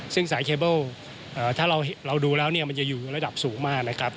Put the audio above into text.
ซึ่งสายเคเบิลถ้าเราดูแล้วมันจะอยู่ระดับสูงมาก